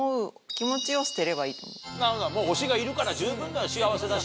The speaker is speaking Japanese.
もう推しがいるから十分だ幸せだし。